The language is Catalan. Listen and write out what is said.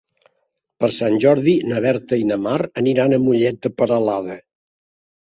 Per Sant Jordi na Berta i na Mar aniran a Mollet de Peralada.